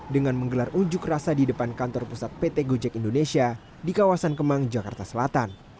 dengan menggelar unjuk rasa di depan kantor pusat pt gojek indonesia di kawasan kemang jakarta selatan